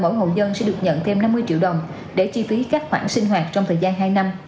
đồng thời mỗi hộ dân sẽ được nhận thêm năm mươi triệu đồng để chi phí các khoản sinh hoạt trong thời gian